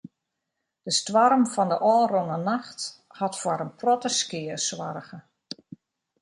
De stoarm fan de ôfrûne nacht hat foar in protte skea soarge.